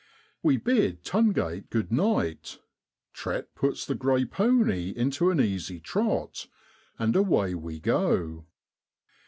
. We bid Tungate good night. Trett puts the grey pony into an easy trot, and away we go.